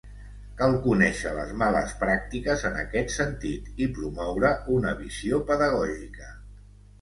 Cal conèixer les males pràctiques en aquest sentit i promoure una visió pedagògica.